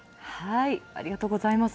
ありがとうございます。